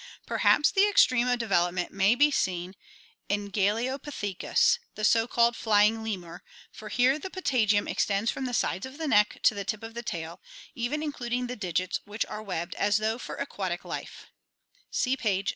Perhaps the extreme of development may be seen in Galeopithecus (Fig. 77), the so called "flying lemur," for here the patagium extends from the sides of the neck to the tip of the tail, even including the digits, which are webbed as though for aquatic life (see page 365).